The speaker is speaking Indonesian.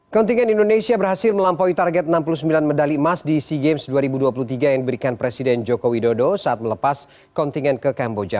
kontingen indonesia berhasil melampaui target enam puluh sembilan medali emas di sea games dua ribu dua puluh tiga yang diberikan presiden joko widodo saat melepas kontingen ke kamboja